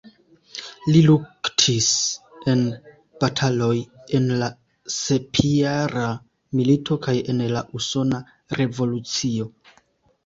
Li luktis en bataloj en la Sepjara milito kaj en la Usona revolucio.